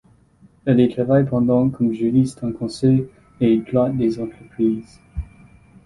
Elle y travaille pendant comme juriste en conseil et droit des entreprises.